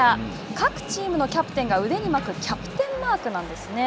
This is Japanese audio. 各チームのキャプテンが腕に巻くキャプテンマークなんですね。